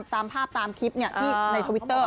ตามภาพตามคลิปที่ในทวิตเตอร์